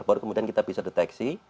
baru kemudian kita bisa deteksi